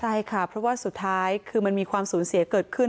ใช่ค่ะเพราะว่าสุดท้ายคือมันมีความสูญเสียเกิดขึ้น